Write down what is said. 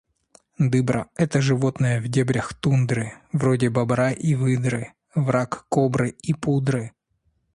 Дыбра – это животное в дебрях тундры, вроде бобра и выдры, враг кобры и пудры.